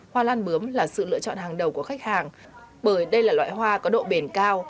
hoa lan bướm là sự lựa chọn hàng đầu của khách hàng bởi đây là loại hoa có độ bền cao